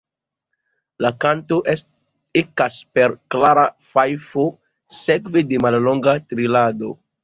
La kanto ekas per klara fajfo, sekve de mallonga trilado.